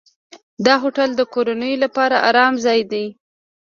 دا هوټل د کورنیو لپاره آرام ځای دی.